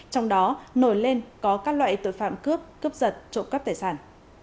trong đó nổi lên có các loại tội phạm cướp cướp giật trộm cắp tài sản